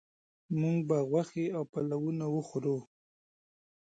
موږ به غوښې او پلونه وخورو